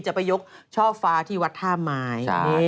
จะไปยกช่อฟ้าที่วัดท่าไม้